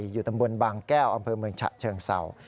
อยู่ตัมบลบางแก้วองค์เรือเมืองชะเชิงเซา